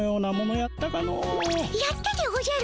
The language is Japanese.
やったでおじゃる。